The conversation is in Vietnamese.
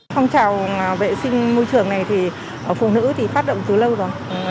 phong trào vệ sinh môi trường này thì phụ nữ thì phát động từ lâu rồi